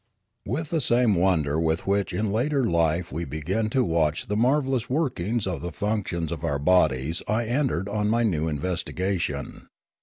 With the same wonder with which in later life we be gin to watch the marvellous workings of the functions of 1 64 Limanora our bodies I entered on my new investigation.